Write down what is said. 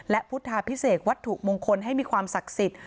และพุทธาพิเศษวัตถุมงคลให้มีความศักดิ์สิทธิ์